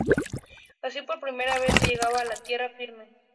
Así, por primera vez, se llegaba a "Tierra Firme".